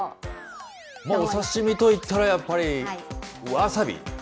まあ、お刺身といったらやっぱり、ワサビ。